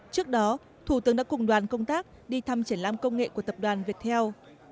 trước đó thủ tướng đã cùng đoàn công tác đi thăm triển lãm công nghệ của tập đoàn việt heo